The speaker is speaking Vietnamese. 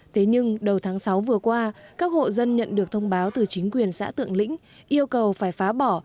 thế nhưng đầu tháng sáu vừa qua các hộ dân nhận được thông báo từ chính quyền xã tượng lĩnh yêu cầu phải phá bỏ